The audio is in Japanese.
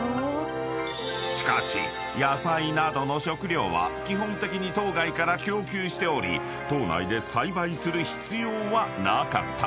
［しかし野菜などの食料は基本的に島外から供給しており島内で栽培する必要はなかった］